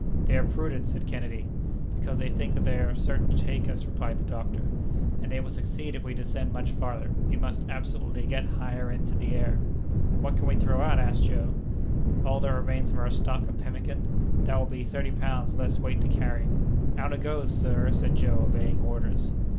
"They are prudent!" said Kennedy. "Because they think that they are certain to take us," replied the doctor; "and, they will succeed if we descend much farther. We must, absolutely, get higher into the air." "What can we throw out?" asked Joe. "All that remains of our stock of pemmican; that will be thirty pounds less weight to carry." "Out it goes, sir!" said Joe, obeying orders.